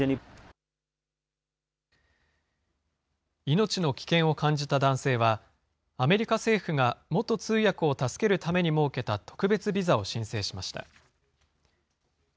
命の危険を感じた男性は、アメリカ政府が元通訳を助けるために設けた特別ビザを申請しました。